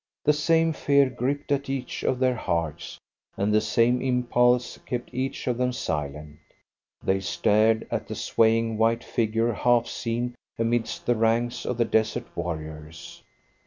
The same fear gripped at each of their hearts, and the same impulse kept each of them silent. They stared at a swaying white figure half seen amidst the ranks of the desert warriors.